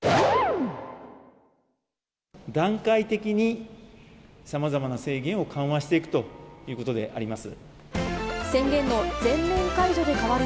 段階的にさまざまな制限を緩和していくということであります。